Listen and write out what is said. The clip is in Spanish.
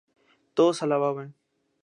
Todos alaban la clemencia de Tito.